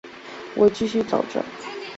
我继续走的时候